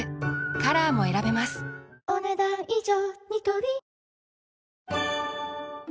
カラーも選べますお、ねだん以上。